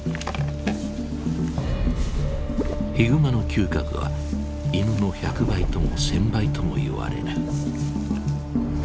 ヒグマの嗅覚は犬の１００倍とも１，０００倍とも言われる。